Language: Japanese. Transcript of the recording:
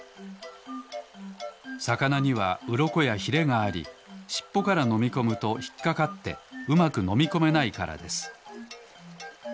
さかなにはうろこやひれがありしっぽからのみこむとひっかかってうまくのみこめないからです。